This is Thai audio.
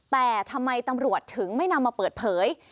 แต่ทำไมตำรวจถึงไม่นำมาเปิดเผย